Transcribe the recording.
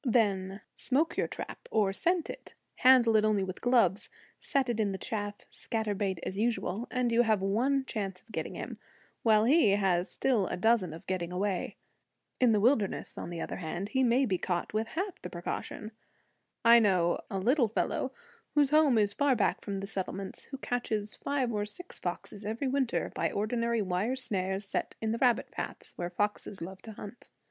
Then smoke your trap, or scent it; handle it only with gloves; set it in the chaff; scatter bait as usual; and you have one chance of getting him, while he has still a dozen of getting away. In the wilderness, on the other hand, he may be caught with half the precaution. I know a little fellow, whose home is far back from the settlements, who catches five or six foxes every winter by ordinary wire snares set in the rabbit paths, where foxes love to hunt.